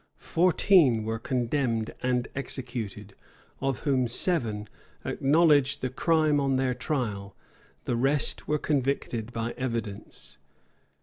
Fourteen were condemned and executed, of whom seven, acknowledged the crime on their trial; the rest were convicted by evidence.